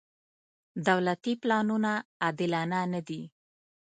دولتي پلانونه عادلانه نه دي.